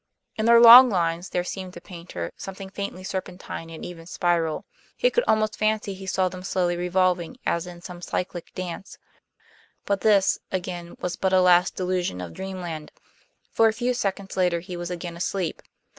In their long lines there seemed to Paynter something faintly serpentine and even spiral. He could almost fancy he saw them slowly revolving as in some cyclic dance, but this, again, was but a last delusion of dreamland, for a few seconds later he was again asleep.